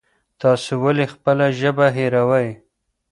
تاسو ولې خپله ژبه هېروئ؟